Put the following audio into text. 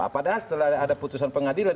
padahal setelah ada putusan pengadilan